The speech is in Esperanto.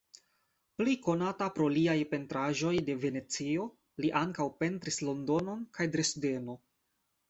Pli konata pro liaj pentraĵoj de Venecio, li ankaŭ pentris Londonon kaj Dresdeno.